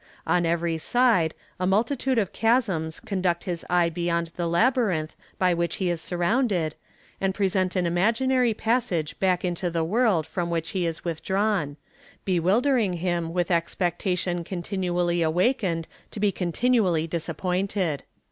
On every side, a multitude of chasms conduct his eye beyond the labyrinth by which he is surrounded, and present an imaginary passage back into the world from which he is withdrawn, bewildering him with expectation continually awakened to be continually disappointed.